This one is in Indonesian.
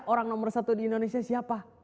orang nomor satu di indonesia siapa